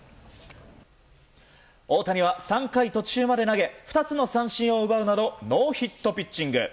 大谷は３回途中まで投げ２つの三振を奪うなどノーヒットピッチング。